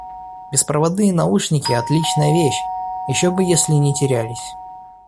Беспроводные наушники - отличная вещь, ещё бы если не терялись.